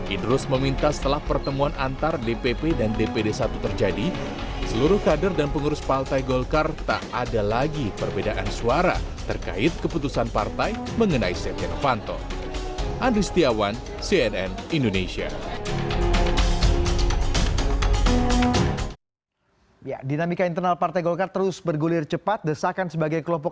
idrus meminta setelah pertemuan antar dpp dan dpd satu terjadi seluruh kader dan pengurus partai golkar tak ada lagi perbedaan suara terkait keputusan partai mengenai setiap jenis pantau